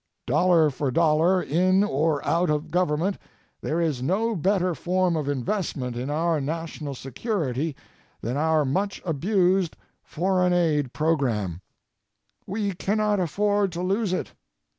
Dollar for dollar, in or out of government, there is no better form of investment in our national security than our much abused foreign aid program. We cannot afford to lose it.